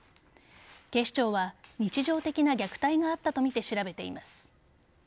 警視庁は日常的な虐待があったとみて調べています。